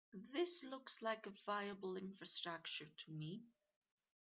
This looks like a viable infrastructure to me.